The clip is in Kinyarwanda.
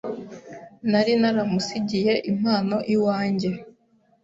Nari naramusigiye impano iwanjye.